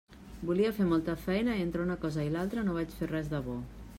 Volia fer molta feina i entre una cosa i l'altra no vaig fer res de bo.